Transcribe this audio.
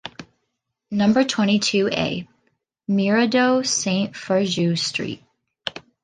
Number twenty-two A, Miroudot Saint-Ferjeux street.